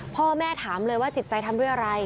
พ่อแม่ถามเลยว่าจิตใจทำด้วยอะไร